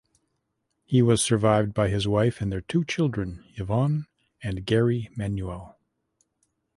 He was survived by his wife and their two children, Yvonne and Gary Manuel.